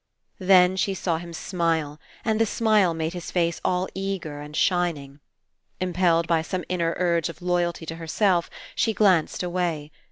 Then she saw him smile, and the smile made his face all eager and shining. Impelled by some inner urge of loyalty to herself, she glanced away.